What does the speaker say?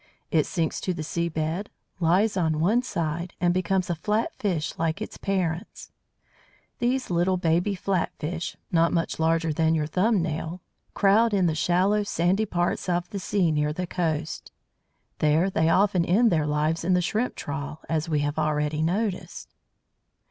It sinks to the sea bed, lies on one side, and becomes a flat fish like its parents. These little baby flat fish, not much larger than your thumb nail, crowd in the shallow, sandy parts of the sea near the coast. There they often end their lives in the shrimp trawl, as we have already noticed.